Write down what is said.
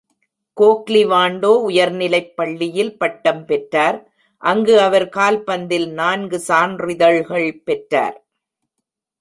Googly வாண்டோ உயர்நிலைப் பள்ளியில் பட்டம் பெற்றார், அங்கு அவர் கால்பந்தில் நான்கு சான்றிதழ்கள் பெற்றார்.